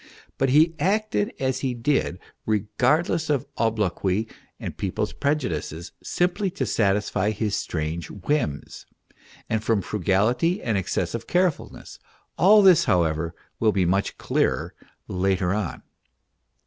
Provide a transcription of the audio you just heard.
But he acted as he did regardless of obloquy and people's prejudices, simply to satisfy his strange whims, and from frugality and excessive carefulness : all this, however, will be much clearer later on.